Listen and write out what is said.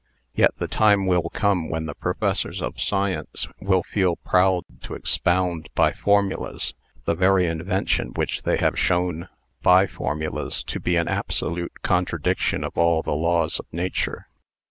Yet the time will come when the professors of science will feel proud to expound, by formulas, the very invention which they have shown, by formulas, to be an absolute contradiction of all the laws of Nature.